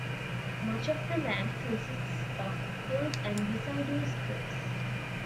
Much of the land consists of hills and deciduous trees.